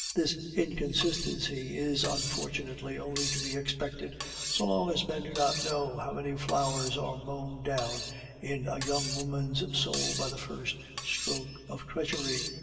This inconsistency is unfortunately only to be expected so long as men do not know how many flowers are mown down in a young woman's soul by the first stroke of treachery.